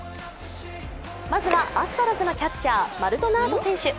まずはアストロズのピッチャーマルドナード選手